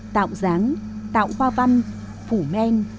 tạo dáng tạo hoa văn phủ men